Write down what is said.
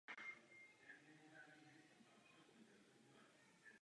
Po vypuknutí druhé světové války bylo sídlo dočasně přeneseno do neutrálního Švédska.